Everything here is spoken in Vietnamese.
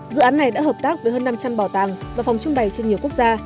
dự án này đã hợp tác với hơn năm trăm linh bảo tàng và phòng trưng bày trên nhiều quốc gia